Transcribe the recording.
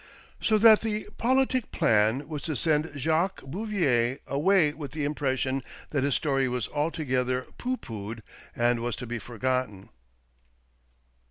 So that the politic plan was to send Jacques Bouvier away with the impression that his story was altogether pooh poohed and was to be forgotten.